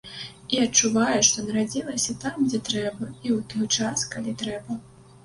І адчуваю, што нарадзілася там, дзе трэба і ў той час, калі трэба.